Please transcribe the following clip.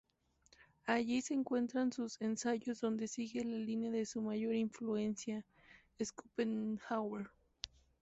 Allí se encuentran sus ensayos donde sigue la línea de su mayor influencia, Schopenhauer.